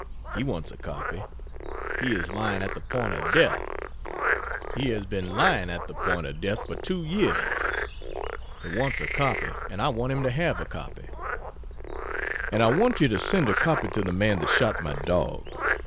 He wants a copy. He is lying at the point of death. He has been lying at the point of death for two years. He wants a copy and I want him to have a copy. And I want you to send a copy to the man that shot my dog.